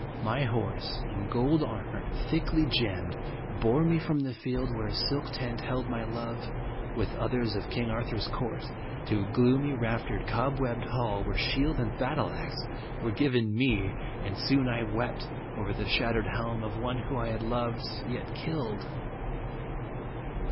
My horse, in gold armor, thickly gemmed, bore me from the field where a silk tent held my love, with others of King Ar thur's court, to a gloomy raftered cobwebbed hall, where shield and battle axe were given me, and soon I wept over the shattered helm of one whom I had loved yet killed.